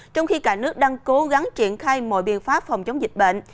trong khi cả nước đang cố gắng triển khai mọi biện pháp phòng chống dịch bệnh